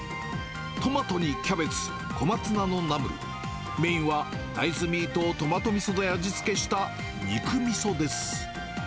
トマトにキャベツ、小松菜のナムル、メインは大豆ミートをトマトみそで味付けした肉みそです。